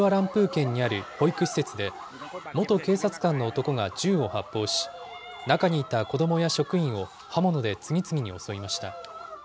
県にある保育施設で、元警察官の男が銃を発砲し、中にいた子どもや職員を刃物で次々に襲いました。